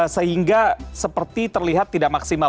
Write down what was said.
sehingga seperti terlihat tidak maksimal